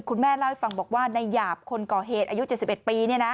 คุณแม่เล่าให้ฟังบอกว่าในหยาบคนก่อเหตุอายุ๗๑ปี